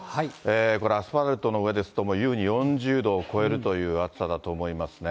これ、アスファルトの上ですと優に４０度を超えるという暑さだと思いま